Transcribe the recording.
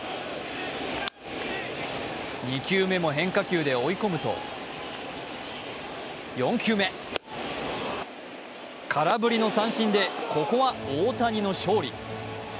２球目も変化球で追い込むと４球目、空振りの三振でここは大谷の勝利。